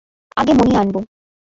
আগে মণি আনব।